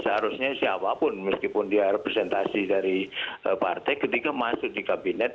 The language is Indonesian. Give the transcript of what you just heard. seharusnya siapapun meskipun dia representasi dari partai ketika masuk di kabinet